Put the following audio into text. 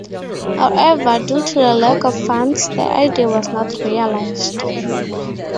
However, due to the lack of funds, the idea was not realized.